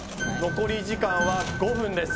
残り時間は５分です